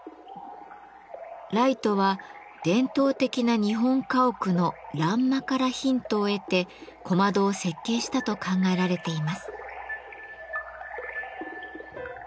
ライトは伝統的な日本家屋の「欄間」からヒントを得て小窓を設計したと考えられています。